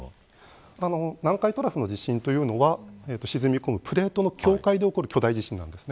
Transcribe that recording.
南海トラフの地震は沈み込むプレートの境界で起こる巨大地震です。